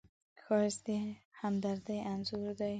ښایست د همدردۍ انځور دی